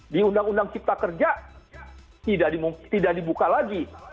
di undang undang cipta kerja tidak dibuka lagi